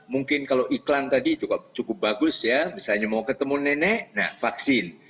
mungkin kalau iklan tadi cukup bagus ya misalnya mau ketemu nenek nah vaksin